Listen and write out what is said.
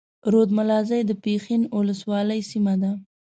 رود ملازۍ د پښين اولسوالۍ سيمه ده.